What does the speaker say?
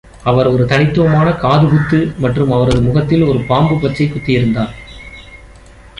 அவர் ஒரு தனித்துவமான காது குத்து மற்றும் அவரது முகத்தில் ஒரு பாம்பு பச்சை குத்தியிருந்தார்.